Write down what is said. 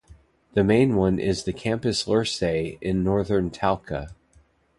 The main one is the "Campus Lircay", in northern Talca.